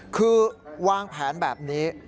คือวางแผนแบบนี้